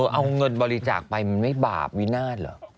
เอาเงินบริจาคไปมันไม่บาปวินาศเหรอ